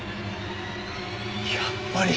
やっぱり。